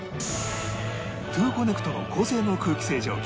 トゥーコネクトの高性能空気清浄機